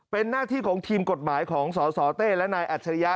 เป็นหน้าที่ของทีมกฎหมายของสสเต้และนายอัจฉริยะ